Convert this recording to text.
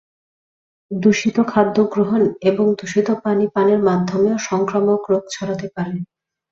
দূষিত খাদ্য গ্রহণ এবং দূষিত পানি পানের মাধ্যমেও সংক্রামক রোগ ছড়াতে পারে।